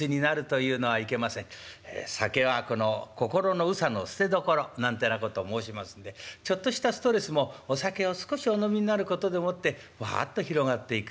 酒はこの「こころのうさの捨てどころ」なんてなことを申しますんでちょっとしたストレスもお酒を少しお飲みになることでもってわあっと広がっていく。